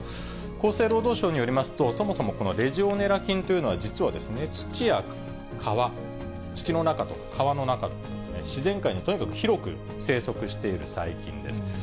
厚生労働省によりますと、そもそもこのレジオネラ菌というのは、実は土や川、土の中と川の中、自然界にとにかく広く生息している細菌です。